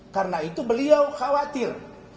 karena itu beliau khawatir